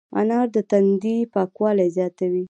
انار د تندي پاکوالی زیاتوي.